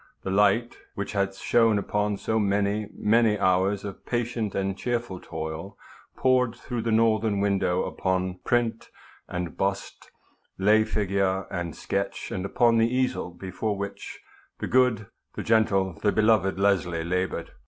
The light which had shone upon so many, many hours of patient and cheerful toil poured through the northern window upon print and bust, lay figure and sketch, and upon the easel before which the good, the gentle, the beloved Leslie labored.